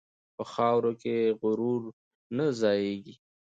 په خاورو کې غرور نه ځایېږي.